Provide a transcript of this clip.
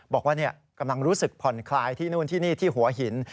บอกว่ากำลังรู้สึกผ่อนคลายที่นู่นที่นี่ที่หัวหิน